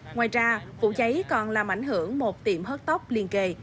ngoài ra vụ cháy còn làm ảnh hưởng một tiệm hớt tóc liên kề